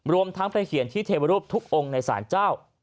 รวมทั้งไปเขียนที่เทวรูปทุกองค์ในศาลเจ้า